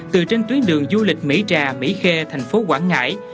từ trên tuyến đường du lịch mỹ trà mỹ khê thành phố quảng ngãi